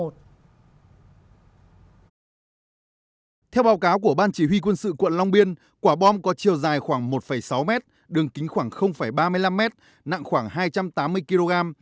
theo báo cáo của ban chỉ huy quân sự quận long biên quả bom có chiều dài khoảng một sáu mét đường kính khoảng ba mươi năm m nặng khoảng hai trăm tám mươi kg